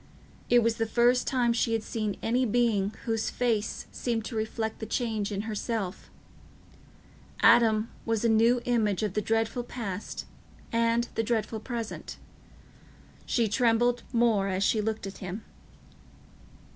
It was the first time she had seen any being whose face seemed to reflect the change in herself: Adam was a new image of the dreadful past and the dreadful present. She trembled more as she looked at him.